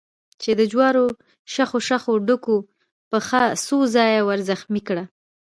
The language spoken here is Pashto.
چې د جوارو شخو شخو ډکو پښه څو ځایه ور زخمي کړې وه.